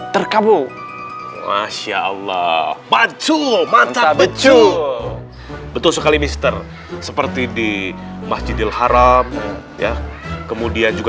terkabur masya allah bantu mata becu betul sekali mister seperti di masjidil haram ya kemudian juga